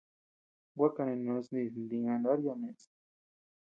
Gua kanenos dis ntiñu a ndar yaʼa ñeʼes.